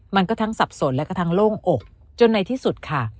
มันก็ทั้งสับสนและก็ทั้งโล่งอกจนในที่สุดค่ะ